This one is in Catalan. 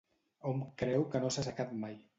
Hom creu que no s'ha assecat mai.